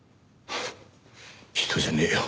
人じゃねえよ。